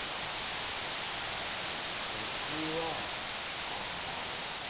僕はあ。